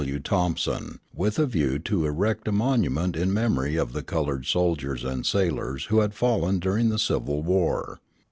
W. Thompson, with a view to erect a monument in memory of the colored soldiers and sailors who had fallen during the Civil War.